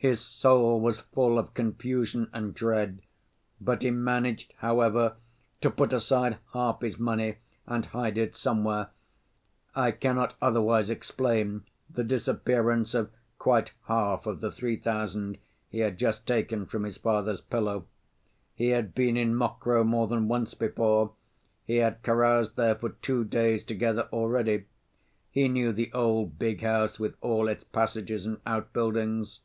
"His soul was full of confusion and dread, but he managed, however, to put aside half his money and hide it somewhere—I cannot otherwise explain the disappearance of quite half of the three thousand he had just taken from his father's pillow. He had been in Mokroe more than once before, he had caroused there for two days together already, he knew the old big house with all its passages and outbuildings.